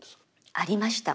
ありました。